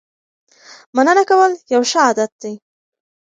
مننه کول یو ښه عادت دی.